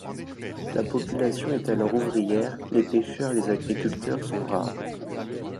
La population est alors ouvrière, les pêcheurs et les agriculteurs sont rares.